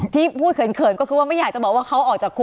ที่พูดเขินก็คือว่าไม่อยากจะบอกว่าเขาออกจากคุก